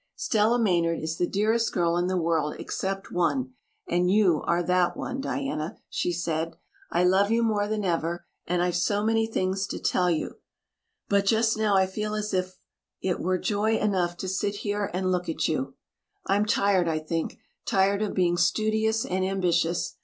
"Stella Maynard is the dearest girl in the world except one and you are that one, Diana," she said. "I love you more than ever and I've so many things to tell you. But just now I feel as if it were joy enough to sit here and look at you. I'm tired, I think tired of being studious and ambitious.